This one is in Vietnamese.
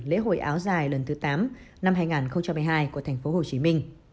lễ hội áo dài lần thứ tám năm hai nghìn một mươi hai của tp hcm